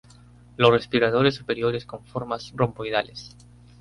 Los respiraderos superiores con formas romboidales.